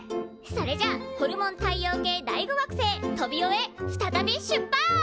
それじゃあホルモン太陽系第５惑星トビオへ再び出発！